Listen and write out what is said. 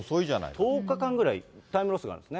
１０日間ぐらい、タイムロスがあるんですね。